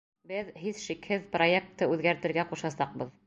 — Беҙ, һис шикһеҙ, проектты үҙгәртергә ҡушасаҡбыҙ.